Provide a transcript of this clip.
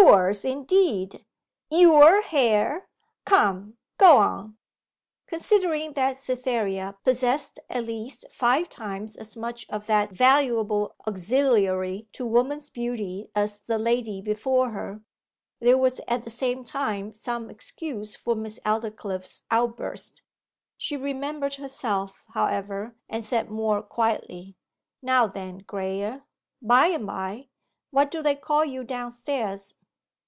'Yours, indeed! Your hair! Come, go on.' Considering that Cytherea possessed at least five times as much of that valuable auxiliary to woman's beauty as the lady before her, there was at the same time some excuse for Miss Aldclyffe's outburst. She remembered herself, however, and said more quietly, 'Now then, Graye By the bye, what do they call you downstairs?